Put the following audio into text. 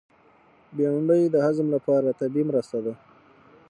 بېنډۍ د هضم لپاره طبیعي مرسته ده